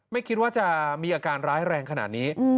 ไม่คิดว่าจะมีอาการร้ายแรงขนาดนี้